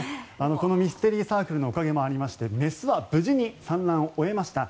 このミステリーサークルのおかげもありまして雌は無事に産卵を終えました。